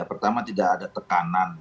pertama tidak ada tekanan